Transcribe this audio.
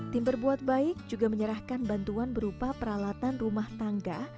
tim berbuat baik juga menyerahkan bantuan berupa peralatan rumah tangga